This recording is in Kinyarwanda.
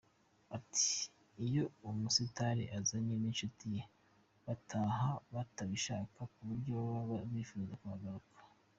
Ati “Iyo umusitari azanye n’inshuti ye, bataha batabishaka ku buryo baba bifuza kugarukana.